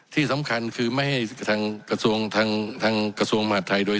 ที่สำคัญคือไม่ให้ทางกระทรวงมหาส์ไทย